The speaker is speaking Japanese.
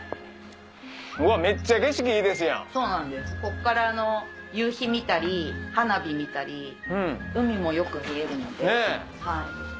ここから夕日見たり花火見たり海もよく見えるので。